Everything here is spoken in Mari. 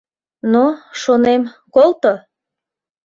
Но... шонем... колто!